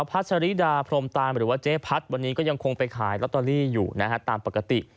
ัชริดาพรมตานหรือว่าเจ๊พัดวันนี้ก็ยังคงไปขายลอตเตอรี่อยู่นะฮะตามปกติ